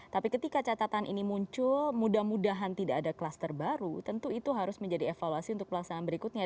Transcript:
tapi ketika catatan ini muncul mudah mudahan tidak ada klaster baru tentu itu harus menjadi evaluasi untuk pelaksanaan berikutnya